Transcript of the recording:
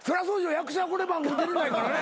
役者はこの番組出れないからね。